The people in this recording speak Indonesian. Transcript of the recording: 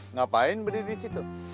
ngapain berdiri di situ